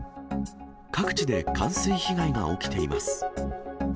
各地で冠水被害が起きています。